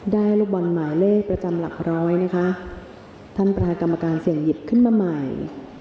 ลูกบอลหมายเลขประจำหลักร้อยนะคะท่านประธานกรรมการเสี่ยงหยิบขึ้นมาใหม่